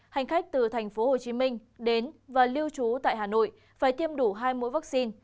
hành khách từ thành phố hồ chí minh đến và lưu trú tại hà nội phải tiêm đủ hai mũi vaccine